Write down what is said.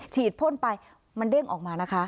พ่นไปมันเด้งออกมานะคะ